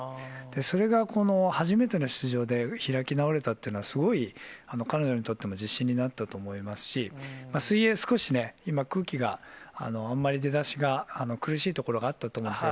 それがこの初めての出場で開き直れたっていうのは、すごい彼女にとっても自信になったと思いますし、水泳、少しね、今、空気があんまり出だしが苦しいところがあったと思うんですよ。